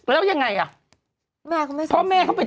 แล้วยังไงอ่ะ